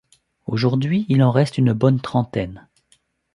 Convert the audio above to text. Aujourd’hui, il en reste une bonne trentaine.